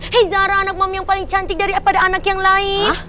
hey zara anak mami yang paling cantik daripada anak yang lain